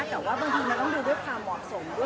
แต่ว่าบางทีมันต้องดูด้วยความเหมาะสมด้วย